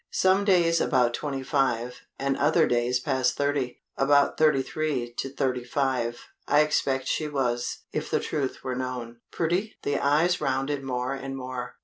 Some days about twenty five, and other days past thirty. About thirty three to thirty five, I expect she was, if the truth were known." "Pretty?" The eyes rounded more and more.